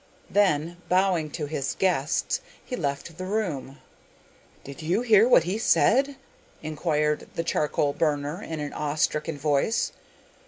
Then, bowing to his guests, he left the room. 'Did you hear what he said?' inquired the charcoal burner in an awe stricken voice.